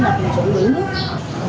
và phòng chống đối nước